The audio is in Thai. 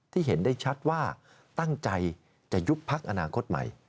เห็นได้ชัดว่าตั้งใจจะยุบพักอนาคตใหม่